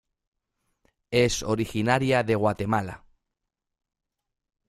Es originaria de Guatemala.